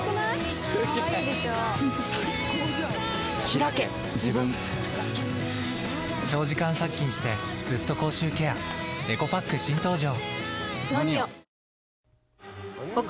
ひらけ自分長時間殺菌してずっと口臭ケアエコパック新登場！